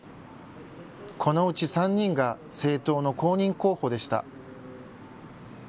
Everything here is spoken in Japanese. このうち３人が政党の公認候補でした。